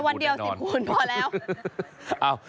เอาวันเดียว๑๐ขุนพอแล้ว